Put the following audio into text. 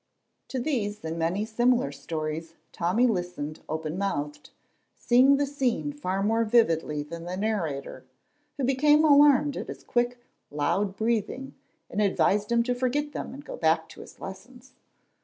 To these and many similar stories Tommy listened open mouthed, seeing the scene far more vividly than the narrator, who became alarmed at his quick, loud breathing, and advised him to forget them and go back to his lessons.